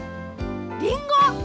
りんご！